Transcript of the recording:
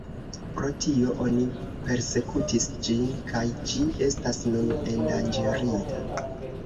Pro tio oni persekutis ĝin kaj ĝi estas nun endanĝerita.